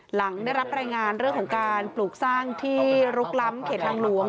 หลังได้รับรายงานเรื่องของการปลูกสร้างที่ลุกล้ำเขตทางหลวง